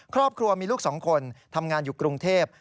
ครอบครัวมีลูก๒คนทำงานอยู่กรุงเทพ